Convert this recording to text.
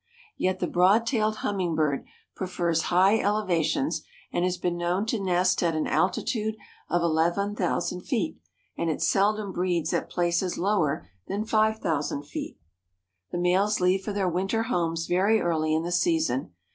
Yet the Broad tailed Hummingbird prefers high elevations and has been known to nest at an altitude of eleven thousand feet, and it seldom breeds at places lower than five thousand feet. The males leave for their winter homes very early in the season.